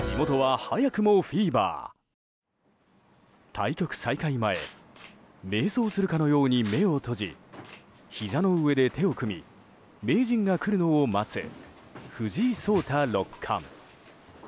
対局再開前瞑想するかのように目を閉じひざの上で手を組み名人が来るのを待つ藤井聡太六冠。